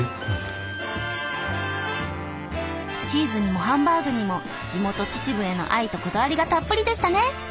チーズにもハンバーグにも地元秩父への愛とこだわりがたっぷりでしたね。